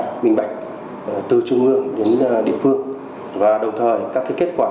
sẽ thực hiện quản lý chặt chẽ công khai minh bạch từ trung ương đến địa phương và đồng thời các kết quả